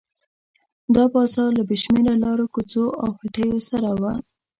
دا بازار له بې شمېره لارو کوڅو او هټیو سره و.